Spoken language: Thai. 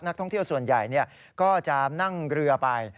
นักท่องเที่ยวส่วนใหญ่ก็จะนั่งเรือไป